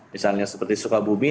misalnya seperti sukabumi